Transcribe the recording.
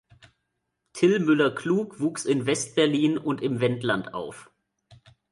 Till Müller-Klug wuchs in West-Berlin und im Wendland auf.